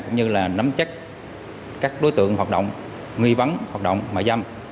cũng như là nắm chắc các đối tượng hoạt động nghi vấn hoạt động mại dâm